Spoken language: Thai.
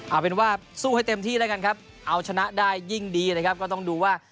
เอาเป็นว่าสู้ให้เต็มที่นะครับเอาชนะได้ยิ่งดีเลยก็ต้องดูว่า